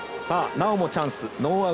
なおもチャンス。